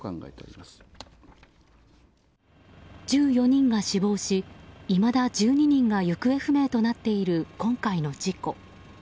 １４人が死亡しいまだ１２人が行方不明となっている今回の事故。